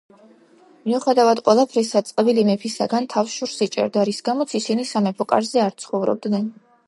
მიუხედავად ყველაფრისა, წყვილი მეფისაგან თავს შორს იჭერდა, რის გამოც ისინი სამეფო კარზე არ ცხოვრობდნენ.